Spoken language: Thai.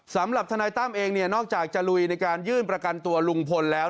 สำหรับทนายตั้มเองเนี่ยนอกจากจะลุยในการยื่นประกันตัวลุงพลแล้ว